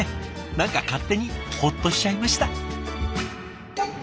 何か勝手にホッとしちゃいました。